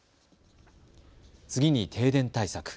次に停電対策。